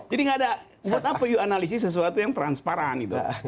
jadi nggak ada buat apa yuk analisis sesuatu yang transparan gitu